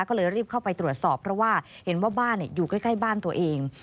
ก็เลยรีบเข้าไปตรวจสอบเพราะว่าเห็นว่าบ้านอยู่ใกล้บ้านตัวเอง